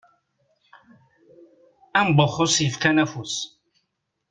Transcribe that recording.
Am Buxus yefkan afus.